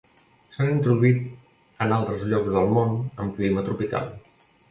S'han introduït en altres llocs del món amb clima tropical.